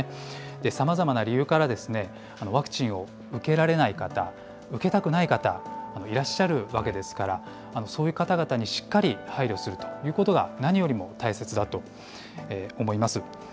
さまざまな理由から、ワクチンを受けられない方、受けたくない方、いらっしゃるわけですから、そういう方々にしっかり配慮するということが何よりも大切だと思います。